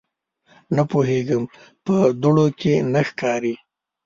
_نه پوهېږم، په دوړو کې نه ښکاري.